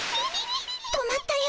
止まったよ。